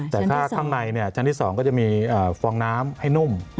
แต่ถ้าข้างในชั้นที่๒ก็จะมีฟองน้ำให้นุ่ม